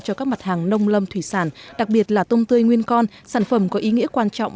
cho các mặt hàng nông lâm thủy sản đặc biệt là tôm tươi nguyên con sản phẩm có ý nghĩa quan trọng